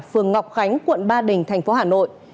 phường ngọc khánh quận ba đình thành phố hà nội